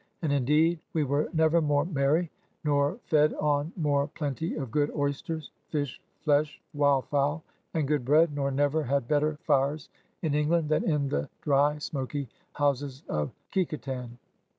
And, indeed, we were never more merrie, nor f edde on more plentie of good oysters, fish, flesh, wild fowle and good bread; nor never had better fires in England than in the drie, smokie houses of Kecoughtan